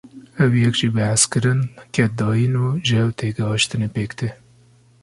Ev yek jî bi hezkirin, keddayîn û jihevtêgihaştinê pêk tê.